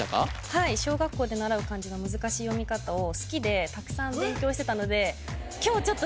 はい小学校で習う漢字の難しい読み方を好きでたくさん勉強してたのでえっ？